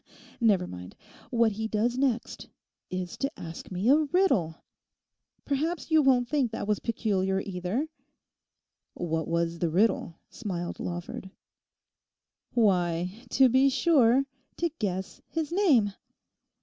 Never mind. What he does next is to ask me a riddle! Perhaps you won't think that was peculiar either?' 'What was the riddle?' smiled Lawford. 'Why, to be sure, to guess his name!